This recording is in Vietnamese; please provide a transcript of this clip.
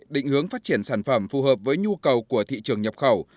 định hướng phát triển sản phẩm phù hợp với nhu cầu của thị trường nhập khẩu